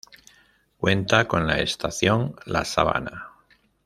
Cuenta con la Estación La Sabana.